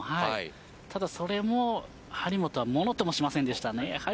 それも張本は物ともしませんでした。